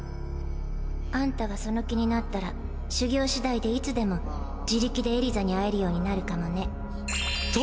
アンタがその気になったら修行次第でいつでも自力でエリザに会えるようになるかもねと！！